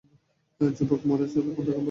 যুবক মুয়ায তখন তাকে বললেন, আব্বা!